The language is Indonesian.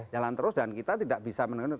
jalan terus dan kita tidak bisa menunggu